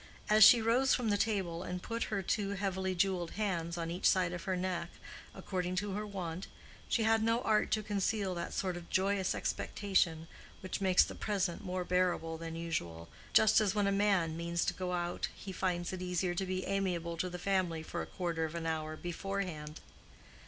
As she rose from the table and put her two heavily jewelled hands on each side of her neck, according to her wont, she had no art to conceal that sort of joyous expectation which makes the present more bearable than usual, just as when a man means to go out he finds it easier to be amiable to the family for a quarter of an hour beforehand.